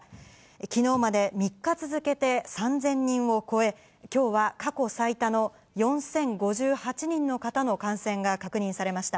きのうまで３日続けて３０００人を超え、きょうは過去最多の４０５８人の方の感染が確認されました。